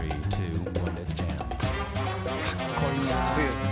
かっこいいよね。